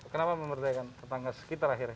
kenapa memberdayakan tetangga sekitar